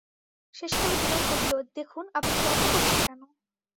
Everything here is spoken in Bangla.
শেষকালে বিনয় কহিল, দেখুন, আপনি তর্ক করছেন কেন?